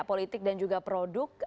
politik dan juga produk